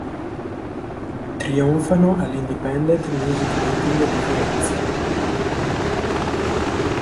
Trionfano all'Independent Music Meeting di Firenze.